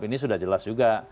ini sudah jelas juga